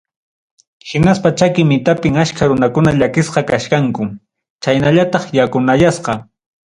Hinaspa chaki mitapim achka runakuna llakisqa kachkanku chaynallataq yakunayasqa.